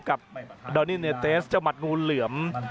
กับดอนินเตสเจ้ามัดนูนเหลื่อม